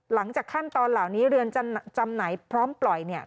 หลังจากขั้นตอนเหล่านี้เรือนจำไหนพร้อมปล่อย